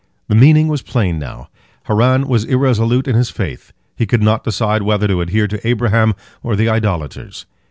The meaning was plain now. Haran was irresolute in his faith, he could not decide whether to adhere to Abraham or the idolaters.